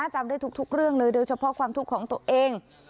จำได้ทุกเรื่องเลยโดยเฉพาะความทุกข์ของตัวเอง